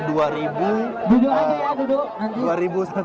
duduk aja ya duduk